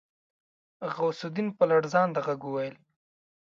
غوث الدين په لړزانده غږ وويل.